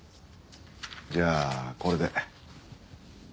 じゃあこれで。